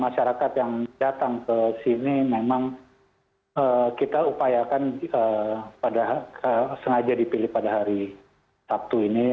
masyarakat yang datang ke sini memang kita upayakan pada sengaja dipilih pada hari sabtu ini